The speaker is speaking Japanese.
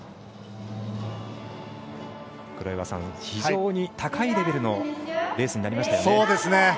非常に高いレベルのレースになりましたよね。